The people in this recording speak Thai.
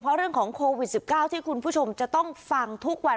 เพราะเรื่องของโควิด๑๙ที่คุณผู้ชมจะต้องฟังทุกวัน